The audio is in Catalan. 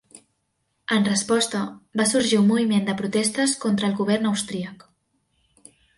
En resposta, va sorgir un moviment de protestes contra el govern austríac.